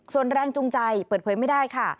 ส่วนแรงจูงใจเปิดเผยไม่ได้ค่ะ